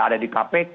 ada di kpk